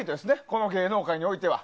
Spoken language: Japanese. この芸能界においては。